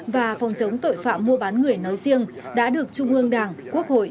và phòng chống tội phạm mua bán người nói riêng đã được trung ương đảng quốc hội